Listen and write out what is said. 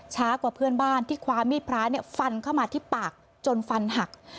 ช้ากว่าเพื่อนบ้านที่คว้ามีดพระฟันเข้ามาที่ปากจนฟันหัก